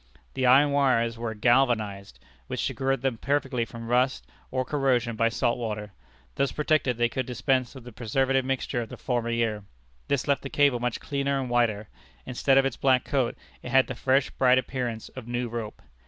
The iron wires were galvanized, which secured them perfectly from rust or corrosion by salt water. Thus protected, they could dispense with the preservative mixture of the former year. This left the cable much cleaner and whiter. Instead of its black coat, it had the fresh, bright appearance of new rope.